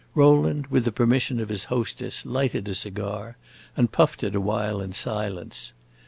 Rowland, with the permission of his hostess, lighted a cigar and puffed it awhile in silence.